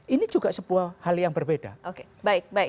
ini juga sebuah hal yang berbeda